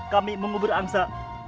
kami mengubur angsa